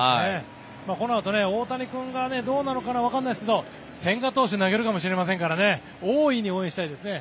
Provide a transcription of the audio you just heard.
このあと、大谷君がどうなのかなわかんないですけど千賀投手投げるかもしれませんから大いに応援したいですね。